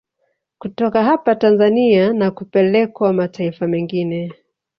Kutoka hapa Tanzania na kupelekwa mataifa mengine